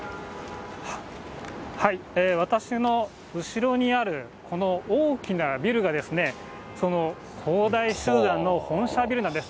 私の後ろにある、この大きなビルが、その恒大集団の本社ビルなんです。